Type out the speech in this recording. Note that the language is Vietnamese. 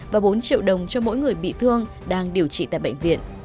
và bốn triệu đồng cho mỗi người bị thương đang điều trị tại bệnh viện